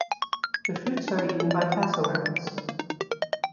The fruits are eaten by cassowaries.